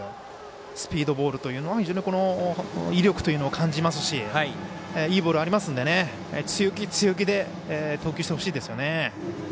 スピードボールというのは非常に威力というのを感じますしいいボールありますので強気強気で投球して欲しいですね。